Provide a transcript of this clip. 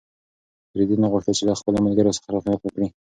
رېدي نه غوښتل چې له خپلو خلکو سره خیانت وکړي.